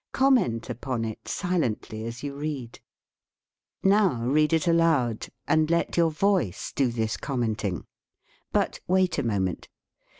Comment upon it si lently as you read. Now read it aloud and let your voice do this commenting. But wait a moment.